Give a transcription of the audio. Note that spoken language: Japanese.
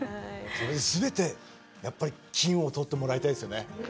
それで全てやっぱり金を取ってもらいたいですよね。